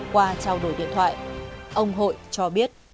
qua trao đổi điện thoại ông hội cho biết